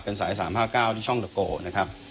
เป็นสาย๓๕๙ที่ช่องตะโกนะครับ